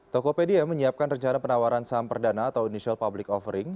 tokopedia menyiapkan rencana penawaran saham perdana atau initial public offering